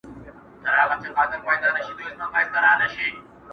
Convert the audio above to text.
• د هغه کيسو په اړه د لوستونکو ترمنځ تل بېلابېل نظرونه موجود وي,